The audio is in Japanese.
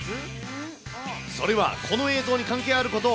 それは、この映像に関係あること。